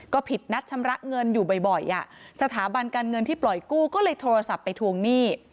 ก็ผิดนัดชำระเงินอยู่บ่อยสถาบันการเงินที่ปล่อยกู้ก็เลยโทรศัพท์ไปทวงหนี้